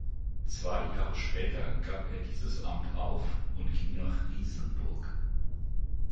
Zwei Jahre später gab er dieses Amt auf und ging nach Riesenburg.